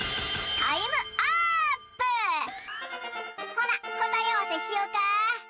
ほなこたえあわせしよか。